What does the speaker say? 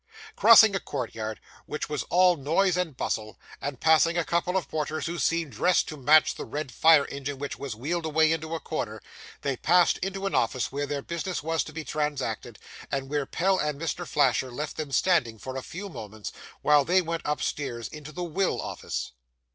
Crossing a courtyard which was all noise and bustle, and passing a couple of porters who seemed dressed to match the red fire engine which was wheeled away into a corner, they passed into an office where their business was to be transacted, and where Pell and Mr. Flasher left them standing for a few moments, while they went upstairs into the Will Office.